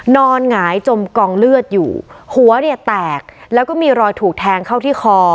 หงายจมกองเลือดอยู่หัวเนี่ยแตกแล้วก็มีรอยถูกแทงเข้าที่คอ